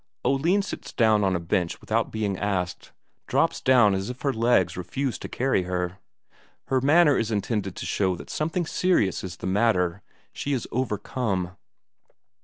Oline sits down on a bench without being asked, drops down as if her legs refuse to carry her. Her manner is intended to show that something serious is the matter; she is overcome.